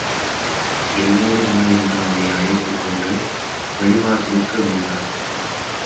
என்னோடு வா என்று அவனை அழைத்துக் கொண்டு, வெளிவாசலுக்கு வந்தான்.